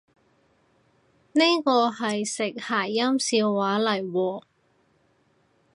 呢個係食諧音笑話嚟喎？